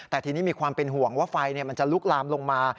แต่ทีนี้มีความเป็นห่วงว่าไฟมันจะลุกลามลงมา